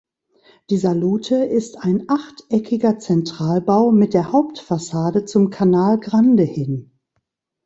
Die „Salute“ ist ein achteckiger Zentralbau mit der Hauptfassade zum Canal Grande hin.